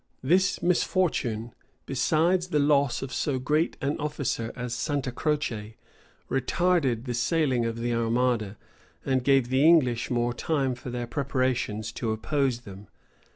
This misfortune, besides the loss of so great an officer as Santa Croce, retarded the sailing of the armada, and gave the English more time for their preparations to oppose them.